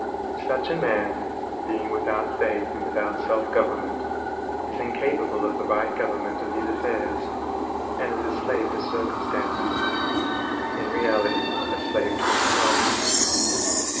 Such a man, being without faith and without self government, is incapable of the right government of his affairs, and is a slave to circumstances; in reality a slave to himself.